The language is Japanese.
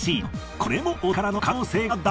これもお宝の可能性が大。